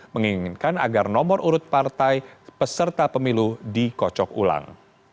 menginginkan agar nomor urut partai peserta pemilu dikocok ulang